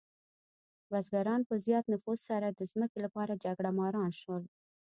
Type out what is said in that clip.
بزګران په زیات نفوس سره د ځمکې لپاره جګړهماران شول.